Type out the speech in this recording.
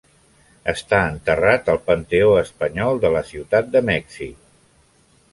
Està enterrat al Panteó Espanyol de la ciutat de Mèxic.